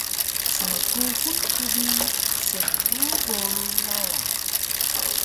Smkuxul ku bi smbu boru rawa